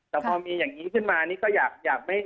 แต่พอมีอย่างนี้ขึ้นมานี่ก็อยาก